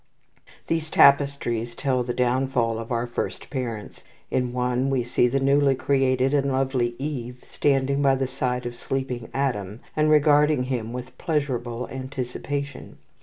These tapestries tell the downfall of our first parents. In one we see the newly created and lovely Eve standing by the side of the sleeping Adam, and regarding him with pleasurable anticipation.